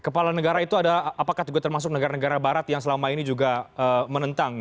kepala negara itu ada apakah juga termasuk negara negara barat yang selama ini juga menentang